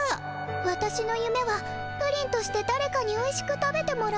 わたしのゆめはプリンとしてだれかにおいしく食べてもらうこと。